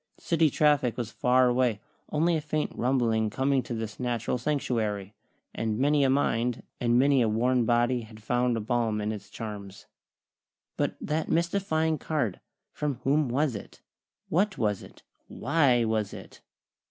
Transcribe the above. City traffic was far away, only a faint rumbling coming to this natural sanctuary; and many a mind, and many a worn body had found a balm in its charms. But that mystifying card! From whom was it? What was it? Why was it?